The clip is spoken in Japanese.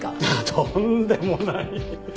とんでもない。